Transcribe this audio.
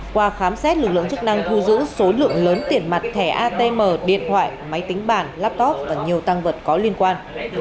qua khám xét lực lượng chức năng thu giữ số lượng lớn tiền mặt thẻ atm điện thoại máy tính bản laptop và nhiều tăng vật có liên quan